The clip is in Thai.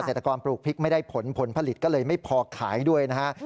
ตกรปลูกพริกไม่ได้ผลผลผลิตก็เลยไม่พอขายด้วยนะฮะ